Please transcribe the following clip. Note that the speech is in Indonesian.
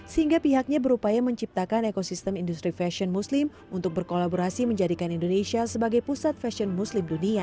sehingga pihaknya berupaya menciptakan ekosistem industri fashion muslim untuk berkolaborasi menjadikan indonesia sebagai pusat fashion muslim dunia